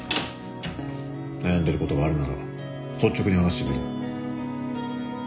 悩んでることがあるなら率直に話してみろ。